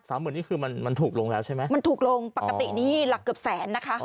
หมื่นนี่คือมันมันถูกลงแล้วใช่ไหมมันถูกลงปกตินี่หลักเกือบแสนนะคะ